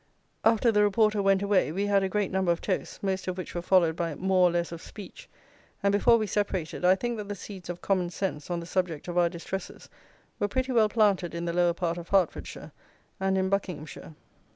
After the reporter went away, we had a great number of toasts, most of which were followed by more or less of speech; and, before we separated, I think that the seeds of common sense, on the subject of our distresses, were pretty well planted in the lower part of Hertfordshire, and in Buckinghamshire.